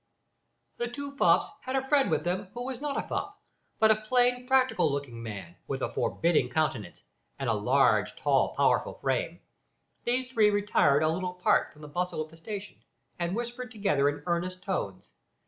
The two fops had a friend with them who was not a fop, but a plain, practical looking man, with a forbidding countenance, and a large, tall, powerful frame. These three retired a little apart from the bustle of the station, and whispered together in earnest tones.